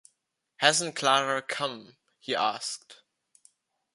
“Hasn’t Clara come?” he asked.